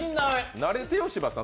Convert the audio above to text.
慣れてよ、柴田さん。